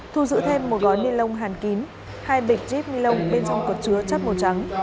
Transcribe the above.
thu giữ thêm một gói nguyên lông hàn kín hai bịch jeep nguyên lông bên trong cột chứa chất màu trắng